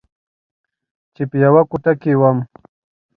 چې په يوه کوټه کښې وم.